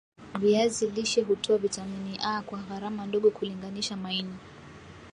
Viazi lishe hutoa Vitamini A kwa gharama ndogo kulinganisha maini